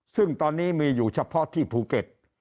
ซึ่งตอนนี้มีอยู่เฉพาะที่ภูเก็ต